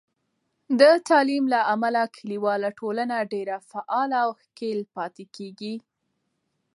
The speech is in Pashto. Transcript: د تعلیم له امله، کلیواله ټولنه ډیر فعاله او ښکیل پاتې کېږي.